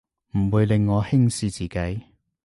唔會令我輕視自己